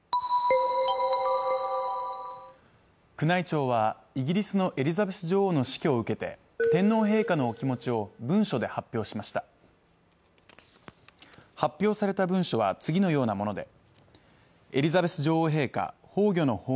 宮内庁はイギリスのエリザベス女王の死去を受けて天皇陛下のお気持ちを文書で発表しました発表された文書は次のようなものです。